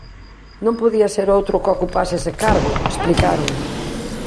Non podía ser outro o que ocupase ese cargo, explicaron.